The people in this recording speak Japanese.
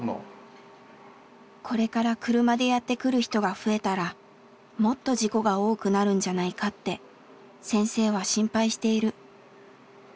これから車でやって来る人が増えたらもっと事故が多くなるんじゃないかって先生は心配している。